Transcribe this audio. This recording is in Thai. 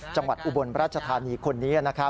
จังหวัดอุบลพระราชธานีคน